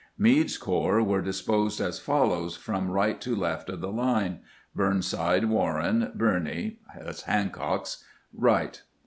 Meade's corps were disposed as follows, from right to left of the line : Burn side, Warren, Birney (Hancock's), Wright.